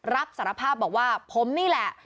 รับสารภาพบอกว่าผมนี่แหละ